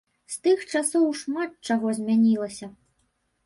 З тых часоў шмат чаго змянілася.